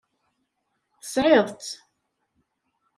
Tesɛiḍ-tt.